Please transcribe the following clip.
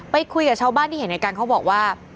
คุยกับชาวบ้านที่เห็นในการเขาบอกว่า